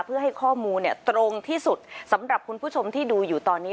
เพื่อให้ข้อมูลตรงที่สุดสำหรับคุณผู้ชมที่ดูอยู่ตอนนี้